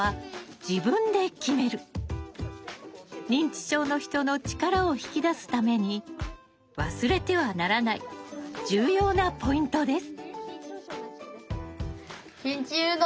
認知症の人の力を引き出すために忘れてはならない重要なポイントです。